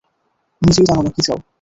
নিজেই জানো না, কী চাও।